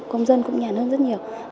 công dân cũng nhán hơn rất nhiều